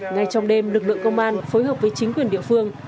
ngay trong đêm lực lượng công an phối hợp với chính quyền địa phương